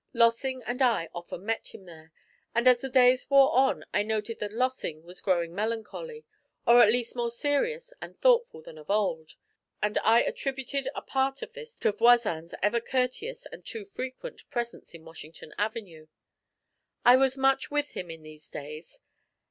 Lossing and I often met him there, and as the days wore on I noted that Lossing was growing melancholy, or at least more serious and thoughtful than of old, and I attributed a part of this to Voisin's ever courteous and too frequent presence in Washington Avenue. I was much with him in these days.